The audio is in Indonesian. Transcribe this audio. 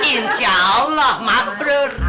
insya allah mak brur